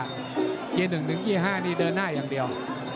เติ้ลหนึ่งถึงเกียร์ห้านี้เดินหน้ายังเดียว